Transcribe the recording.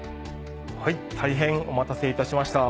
大変お待たせいたしました。